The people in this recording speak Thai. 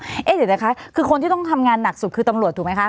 เดี๋ยวนะคะคือคนที่ต้องทำงานหนักสุดคือตำรวจถูกไหมคะ